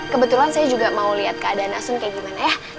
kebetulan saya juga mau lihat keadaan asun kayak gimana ya